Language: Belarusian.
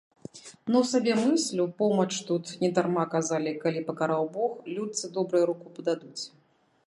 Ну сабе мыслю, помач тут, недарма казалі, калі пакараў бог, людцы добрыя руку пададуць.